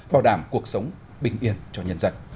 bảo đảm cuộc sống bình yên cho nhân dân